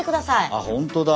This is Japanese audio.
あっ本当だ。